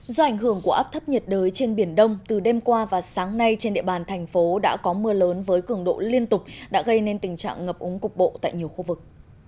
do ảnh hưởng của áp thấp nhiệt đới trên biển đông từ đêm qua và sáng nay trên địa bàn thành phố đã có mưa lớn với cường độ liên tục đã gây nên tình trạng ngập úng cục bộ tại nhiều khu vực